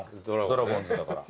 ドラゴンズだから。